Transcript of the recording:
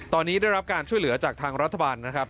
ตอนนี้ได้รับการช่วยเหลือจากทางรัฐบาลนะครับ